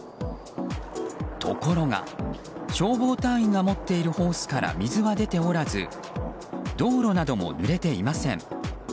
ところが消防隊員が持っているホースから水は出ておらず道路などもぬれていません。